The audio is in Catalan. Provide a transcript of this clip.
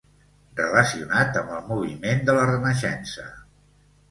Relacionat amb el moviment de la Renaixença.